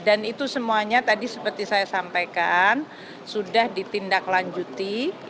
dan itu semuanya tadi seperti saya sampaikan sudah ditindaklanjuti